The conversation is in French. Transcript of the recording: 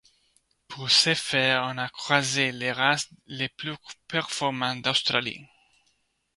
Pour ce faire on a croisé les races les plus performantes d'Australie.